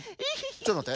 ちょっとまって。